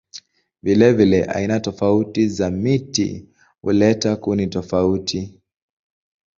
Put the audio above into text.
Vilevile aina tofauti za miti huleta kuni tofauti.